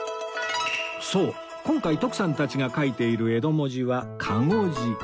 そう今回徳さんたちが書いている江戸文字は籠字